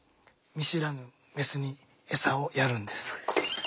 見知らぬメスにエサをやるんです。